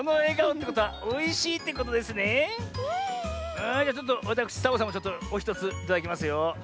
あじゃちょっとわたくしサボさんもおひとついただきますよ。